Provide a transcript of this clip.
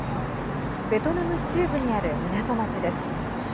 ベトナム中部にある港町です。